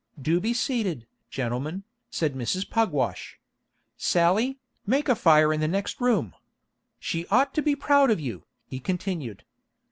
"Do be seated, gentlemen," said Mrs. Pugwash. "Sally, make a fire in the next room." "She ought to be proud of you," he continued.